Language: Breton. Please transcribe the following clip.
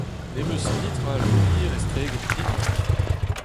Ne'm eus netra all d'ober estreget pignat.